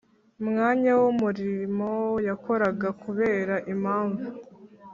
Mwanya w umurimo yakoraga kubera impamvu